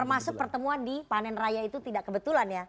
termasuk pertemuan di panen raya itu tidak kebetulan ya